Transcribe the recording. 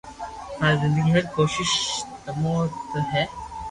ماري زندگي ھر ڪوݾݾ تمو نت ھي